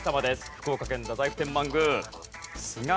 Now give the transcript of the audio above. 福岡県太宰府天満宮。